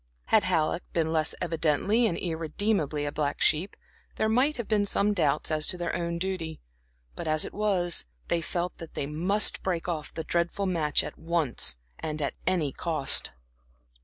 Had Halleck been less evidently and irredeemably a black sheep, there might have been some doubts as to their own duty; but, as it was, they felt that they must break off the dreadful match at once, and at any cost.